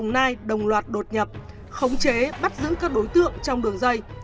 nay đồng loạt đột nhập khống chế bắt giữ các đối tượng trong đường dây